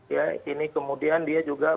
ya ini kemudian dia juga